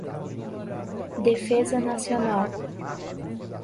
defesa nacional